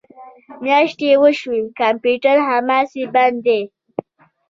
میاشتې وشوې کمپیوټر هماسې بند دی